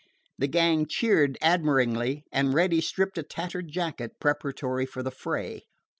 The gang cheered admiringly, and Reddy stripped a tattered jacket preparatory for the fray.